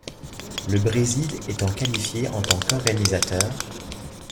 Le Brésil étant qualifié en tant qu'organisateur.